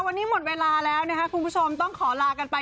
วันนี้หมดเวลาแล้วนะคะคุณผู้ชมต้องขอลากันไป